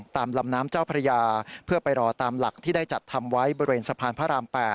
ตามลำน้ำเจ้าพระยาเพื่อไปรอตามหลักที่ได้จัดทำไว้บริเวณสะพานพระราม๘